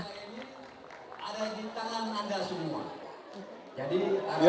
selamat pagi pak rani ada di tangan anda semua